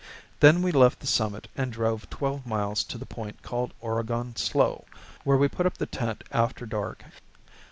Then we left the summit and drove twelve miles to the point called Oregon Slough, where we put up the tent after dark.